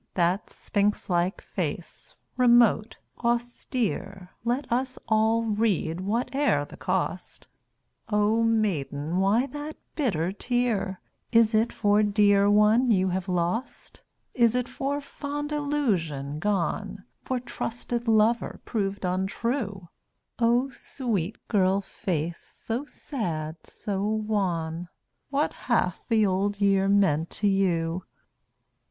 That sphinx like face, remote, austere, Let us all read, whate'er the cost: O Maiden! why that bitter tear? Is it for dear one you have lost? Is it for fond illusion gone? For trusted lover proved untrue? O sweet girl face, so sad, so wan What hath the Old Year meant to you?